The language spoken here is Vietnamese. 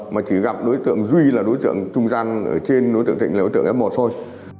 mà chỉ gặp đối tượng duy là đối tượng trung gian ở trên đối tượng thịnh là đối tượng f một thôi